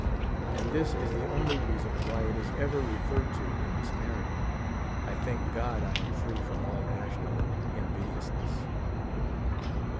And this is the only reason why it is ever referred to in this narrative. I thank God I am free from all national invidiousness.